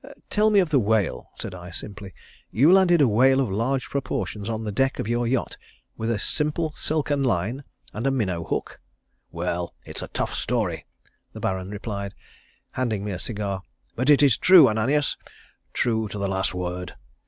"Tell me of the whale," said I, simply. "You landed a whale of large proportions on the deck of your yacht with a simple silken line and a minnow hook." "Well it's a tough story," the Baron replied, handing me a cigar. "But it is true, Ananias, true to the last word.